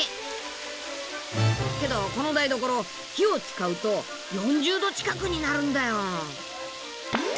けどこの台所火を使うと４０度近くになるんだよ。